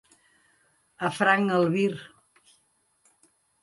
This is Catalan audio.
A franc albir.